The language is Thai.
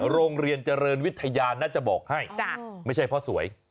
โรงเรียนเจริญวิทยาน่าจะบอกให้ไม่ใช่เพราะสวย